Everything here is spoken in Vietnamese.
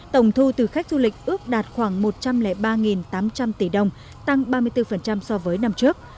tổng thu từ khách du lịch ước đạt khoảng một trăm linh ba tám trăm linh tỷ đồng tăng ba mươi bốn so với năm trước